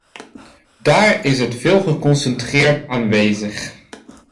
Daar is het veel geconcentreerder aanwezig.